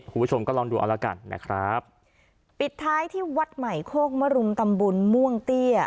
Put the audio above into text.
คุณผู้ชมก็ลองดูเอาละกันนะครับปิดท้ายที่วัดใหม่โคกมรุมตำบลม่วงเตี้ย